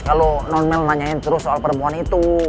kalau non mel nanyain terus soal perempuan itu